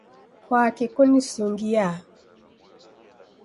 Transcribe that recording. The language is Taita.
Kwaki kunisungiaa?